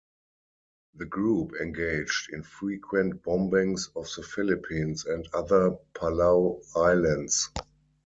The group engaged in frequent bombings of the Philippines and other Palau Islands.